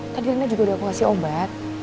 tadi rina juga udah aku kasih obat